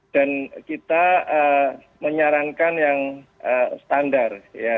dan kita menyarankan yang standar